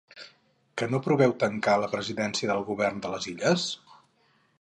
Què no preveu tancar la presidenta del govern de les Illes?